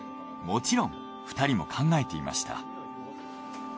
もちろん２人も考えていました。